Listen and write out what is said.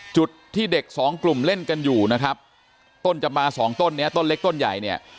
จุดที่เด็กสองกลุ่มเล่นกันอยู่นะครับต้นจะมาสองต้นเนี้ยต้นเล็กต้นใหญ่เนี่ย